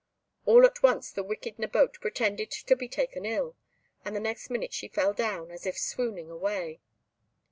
All at once the wicked Nabote pretended to be taken ill, and the next minute she fell down, as if swooning away.